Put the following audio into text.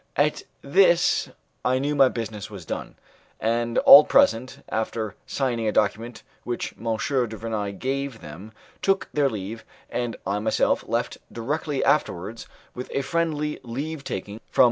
At this I knew my business was done, and all present, after signing a document which M. du Vernai gave them, took their leave, and I myself left directly afterwards with a friendly leave taking from M.